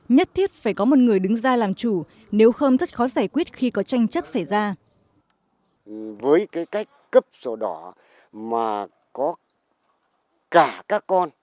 nhất thiết phải có một người đứng ra làm chủ nếu khơm rất khó giải quyết khi có tranh chấp xảy ra